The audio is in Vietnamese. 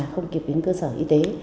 không kịp đến cơ sở y tế